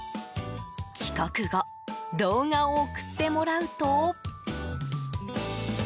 帰国後動画を送ってもらうと。